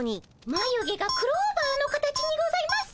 まゆ毛がクローバーの形にございます。